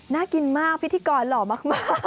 น่ากินมากพิธีกรหล่อมาก